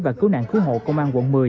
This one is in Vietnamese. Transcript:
và cứu nạn cứu hộ công an quận một mươi